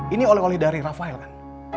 ini oleh oleh dari rafael kan